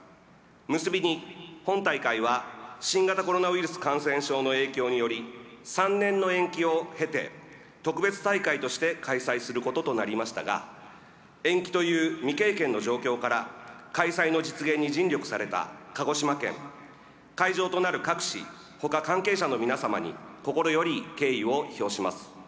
結びに、本大会は新型コロナウイルス感染症の影響により、３年の延期を経て特別大会として開催することとなりましたが延期という未経験の状況から開催の実現に尽力された鹿児島県、会場となる各市ほか関係者の皆様に心より敬意を表します。